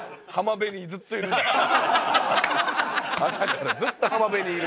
朝からずっと浜辺にいる。